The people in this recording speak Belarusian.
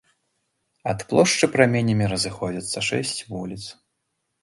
Ад плошчы праменямі разыходзяцца шэсць вуліц.